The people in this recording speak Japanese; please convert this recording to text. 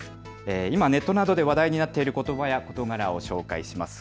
今、ネットなどで話題になっていることばや事柄を紹介します。